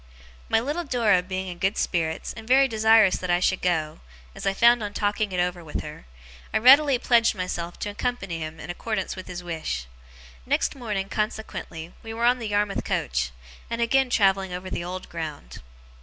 My little Dora being in good spirits, and very desirous that I should go as I found on talking it over with her I readily pledged myself to accompany him in accordance with his wish. Next morning, consequently, we were on the Yarmouth coach, and again travelling over the old ground.